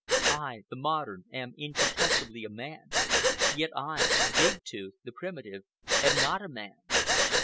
I, the modern, am incontestably a man; yet I, Big Tooth, the primitive, am not a man.